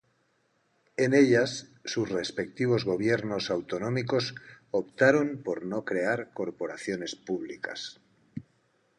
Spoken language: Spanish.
En ellas, sus respectivos gobiernos autonómicos optaron por no crear corporaciones públicas.